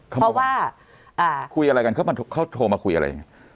เพราะว่าอ่าคุยอะไรกันเขามาเขาโทรมาคุยอะไรอย่างงี้